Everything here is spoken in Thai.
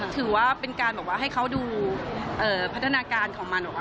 ถือว่าเป็นการแบบว่าให้เขาดูพัฒนาการของมัน